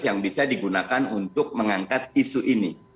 yang bisa digunakan untuk mengangkat isu ini